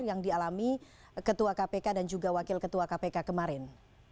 yang dialami ketua kpk dan juga wakil ketua kpk kemarin